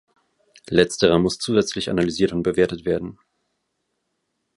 Letzterer muss zusätzlich analysiert und bewertet werden.